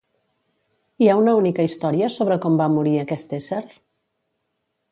Hi ha una única història sobre com va morir aquest ésser?